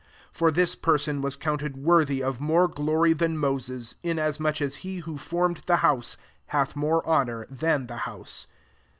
3 For this fierson was counted worthy of more glory than Moses, inas much as he who formed the house hath more honour than the house.